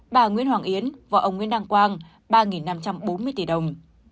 bà nguyễn hoàng yến và ông nguyễn đăng quang ba năm trăm bốn mươi tỷ đồng